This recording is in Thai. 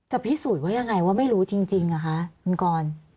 จะพิสูจน์ไว้ยังไงว่าไม่รู้จริงนะคะมันก่อน